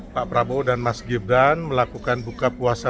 pak prabowo dan mas gibran melakukan buka puasa